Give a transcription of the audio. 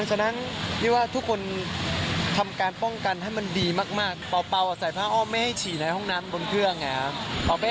ฉะนั้นพี่ว่าทุกคนทำการป้องกันให้มันดีมากเปล่าใส่ผ้าอ้อมไม่ให้ฉี่ในห้องน้ำบนเครื่องไงครับ